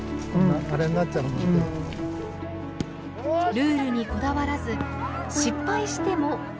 ルールにこだわらず失敗しても笑い飛ばす。